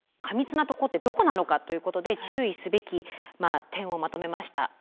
過密なとこってどこなのかということで注意すべき点をまとめました。